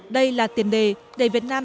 đây là tiền đề để việt nam